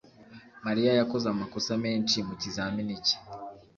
Mariya yakoze amakosa menshi mukizamini cye.